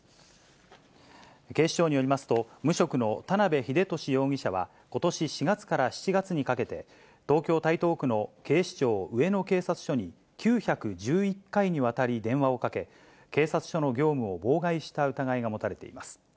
警視庁によりますと、無職の田辺秀敏容疑者は、ことし４月から７月にかけて、東京・台東区の警視庁上野警察署に、９１１回にわたり電話をかけ、警察署の業務を妨害した疑いが持たれています。